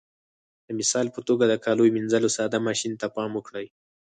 د مثال په توګه د کاليو منځلو ساده ماشین ته پام وکړئ.